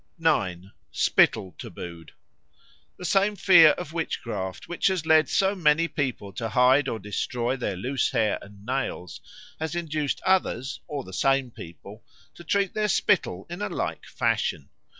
9. Spittle tabooed THE SAME fear of witchcraft which has led so many people to hide or destroy their loose hair and nails has induced other or the same people to treat their spittle in a like fashion.